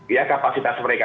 ya kapasitas mereka